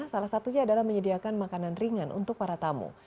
salah satunya adalah menyediakan makanan ringan untuk para tamu